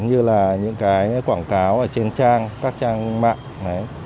như là những cái quảng cáo ở trên trang các trang mạng